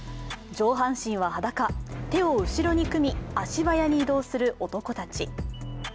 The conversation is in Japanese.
上半身は裸、手を後ろに組みみ足早に移動する男たち。